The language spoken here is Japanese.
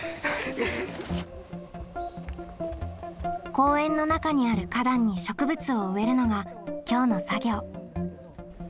公園の中にある花壇に植物を植えるのが今日の作業。